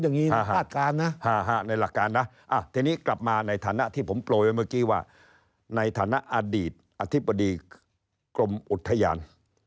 ในฐานะอดีตอธิบดีกรมอุทยาน